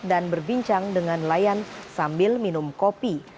dan berbincang dengan nelayan sambil minum kopi